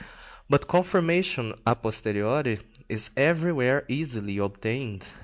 But confirmation a posteriori is everywhere easily obtained.